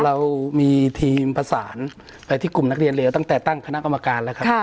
เรามีทีมประสานไปที่กลุ่มนักเรียนเลวตั้งแต่ตั้งคณะกรรมการแล้วครับ